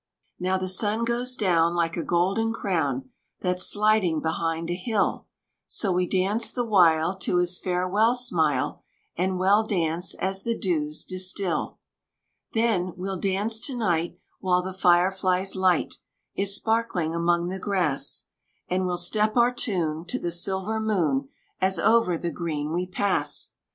Now the sun goes down Like a golden crown That's sliding behind a hill; So we dance the while To his farewell smile; And well dance as the dews distil. Then, we'll dance to night While the fire fly's light Is sparkling among the grass; And we'll step our tune To the silver moon, As over the green we pass.